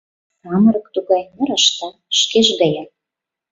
Самырык тугай, нарашта — шкеж гаяк.